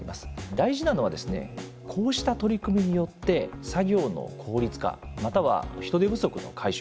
大事なのはこうした取り組みによって作業の効率化または人手不足の解消